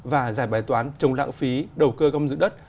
và giải bài toán chống lãng phí đầu cơ gom dự đất